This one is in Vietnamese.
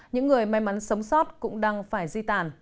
những người may mắn sống sót cũng đang phải di tản